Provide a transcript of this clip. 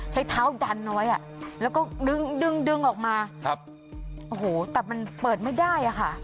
ใช้เท้าดันไว้อะแล้วก็ดึงออกมาโอ้โหแต่มันเปิดไม่ได้อะค่ะ